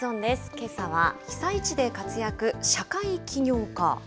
けさは被災地で活躍、社会起業家。